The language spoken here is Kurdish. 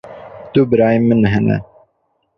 Du birayên min hene.